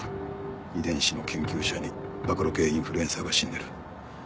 遺伝子の研究者に暴露系インフルエンサーが死んでる。